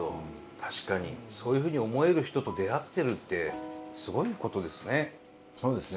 確かにそういうふうに思える人と出会ってるってすごいことですね。